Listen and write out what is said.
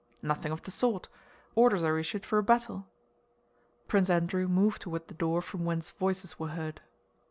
"Nothing of the sort. Orders are issued for a battle." Prince Andrew moved toward the door from whence voices were heard.